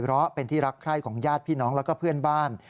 เพราะเป็นที่รักใคร่ของญาติพี่น้องแล้วก็เพื่อนบ้าน